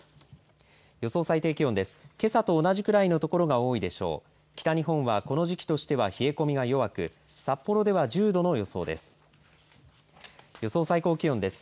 予想最低気温です。